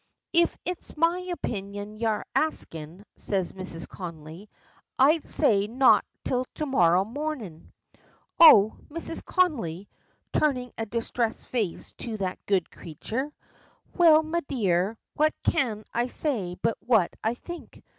"If it's my opinion y'are askin'," says Mrs. Connolly, "I'd say not till to morrow morning." "Oh! Mrs. Connolly!" turning a distressed face to that good creature. "Well, me dear, what can I say but what I think?"